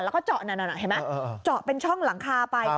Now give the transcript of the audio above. แล้วก็เจาะนั่นเห็นไหมเจาะเป็นช่องหลังคาไป